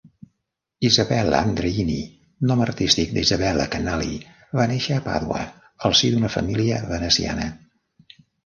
Isabella Andreini, nom artístic d'Isabella Canali, va néixer a Pàdua al si d'una família veneciana.